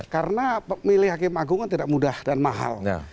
karena pemilih hakim agungan tidak mudah dan mahal